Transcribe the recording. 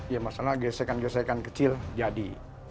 ya masalah gesekan gesekan kecil jadi